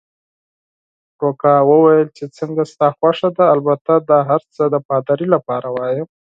روکا وویل: چې څنګه ستا خوښه ده، البته دا هرڅه د پادري لپاره وایم.